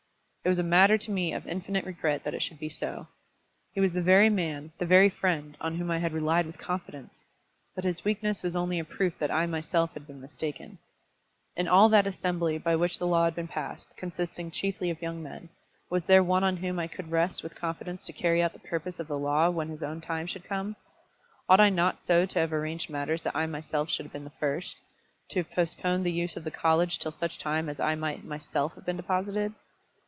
It was a matter to me of infinite regret that it should be so. He was the very man, the very friend, on whom I had relied with confidence! But his weakness was only a proof that I myself had been mistaken. In all that Assembly by which the law had been passed, consisting chiefly of young men, was there one on whom I could rest with confidence to carry out the purpose of the law when his own time should come? Ought I not so to have arranged matters that I myself should have been the first, to have postponed the use of the college till such time as I might myself have been deposited?